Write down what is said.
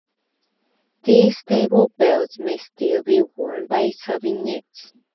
These stable belts may still be worn by sub-units.